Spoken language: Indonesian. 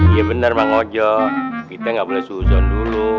iya bener bang ojo kita gak boleh susun dulu